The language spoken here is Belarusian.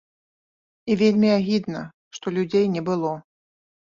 І вельмі агідна, што людзей не было.